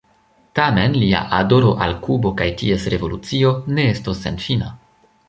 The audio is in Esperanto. Tamen lia adoro al Kubo kaj ties revolucio ne estos senfina.